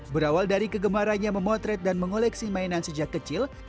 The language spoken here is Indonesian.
berawal dari kegemarannya memotret dan mengoleksi mainan sejak kecil